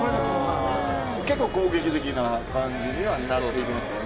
結構攻撃的な感じにはなってますよね。